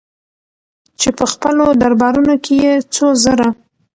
چې په خپلو دربارونو کې يې څو زره